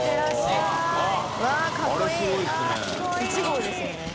１号ですよね。